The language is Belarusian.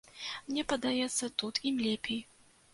Мне падаецца, тут ім лепей.